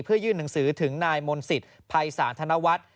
เพื่อยื่นหนังสือถึงนายมนศิษย์ภัยศาลธนวัฒน์